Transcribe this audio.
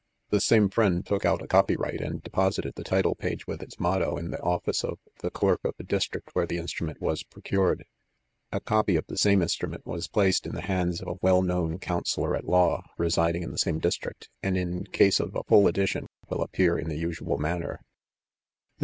The same friend took out a copy right* and deposited the title page, with Itsjoaotto, in. the office of the clerk of the district where the instrument was procured, A copy of tli@ same mstrosieai was placed in the hands of a well taown counsellor at law residing in the same district, and, in case of a full edition* will appear in the usual manner ; tlik.